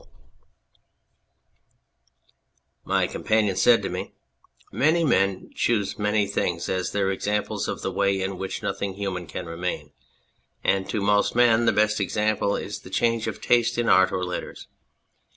238 The Fortress My companion said to me :" Many men choose many things as their examples of the way in which nothing human can remain, and to most men the best example is the change of taste in art or letters.